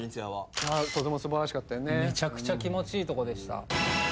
めちゃくちゃ気持ちいいとこでした。